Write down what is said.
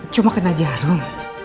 cuma kena jarum